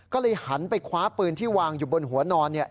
ก็เลยหันไปคว้าปืนที่วางอยู่บนหัวนอนเนี่ย